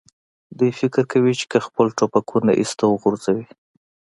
دوی فکر کوي، چې که خپل ټوپکونه ایسته وغورځوي.